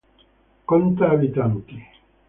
Conta abitanti.